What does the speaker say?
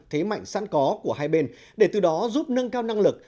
thế mạnh sẵn có của hai bên để từ đó giúp nâng cao năng lực